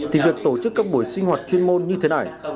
thì việc tổ chức các buổi sinh hoạt chuyên môn như thế này